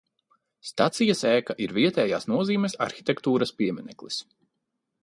Stacijas ēka ir vietējās nozīmes arhitektūras piemineklis.